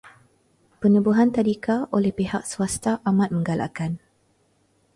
Penubuhan tadika oleh pihak swasta amat menggalakkan.